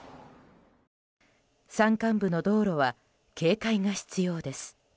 山間部の道路は警戒が必要です。